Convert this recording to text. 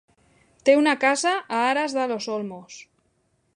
Té una casa a Aras de los Olmos.